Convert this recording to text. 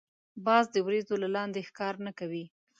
باز د وریځو له لاندی ښکار نه کوي